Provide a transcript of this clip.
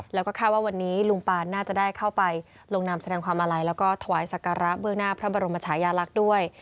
แล้วก็คาดว่าวันนี้ลุงปานน่าจะได้เข้าไปลงนามแสดงความอาลัยแล้วก็ถวายสักการะเบื้องหน้าพระบรมชายาลักษณ์ด้วย